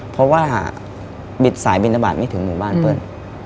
เพราะว่าบิดสายบินทบาทไม่ถึงหมู่บ้านเปิ้ล